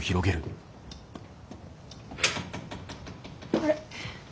・あれ？